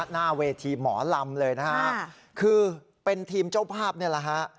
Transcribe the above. หน้าเวทีหมอลำเลยนะฮะคือเป็นทีมเจ้าภาพนี่แหละฮะ